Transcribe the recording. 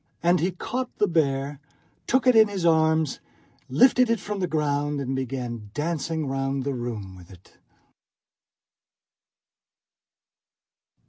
And he caught the bear, took it in his arms, lifted it from the ground, and began dancing round the room with it.